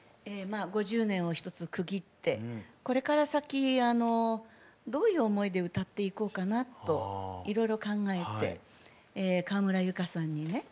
５０年をひとつ区切ってこれから先どういう思いで歌っていこうかなといろいろ考えて川村結花さんにね